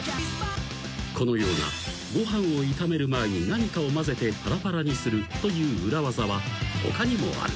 ［このようなご飯を炒める前に何かをまぜてパラパラにするという裏技は他にもある］